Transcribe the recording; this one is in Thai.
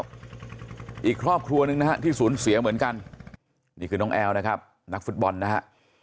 อีกครอบครัวหนึ่งนะฮะที่สูญเสียเหมือนกันนี่คือน้องแอลนะครับนักฟุตบอลนะฮะ